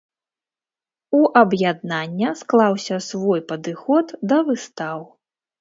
У аб'яднання склаўся свой падыход да выстаў.